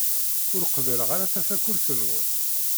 Ur qbileɣ ara tafakult-nwen.